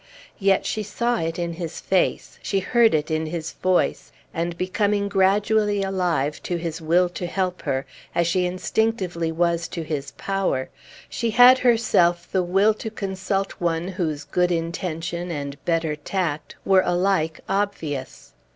Yet she saw it in his face, she heard it in his voice; and becoming gradually alive to his will to help her, as she instinctively was to his power, she had herself the will to consult one whose good intention and better tact were alike obvious.